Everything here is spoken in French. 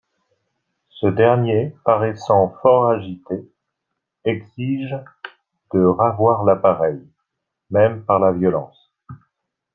Ce dernier paraissant fort agité exige de ravoir l'appareil, même par la violence.